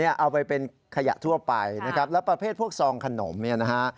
เอาไปเป็นขยะทั่วไปนะครับแล้วประเภทพวกซองขนมเนี่ยนะฮะ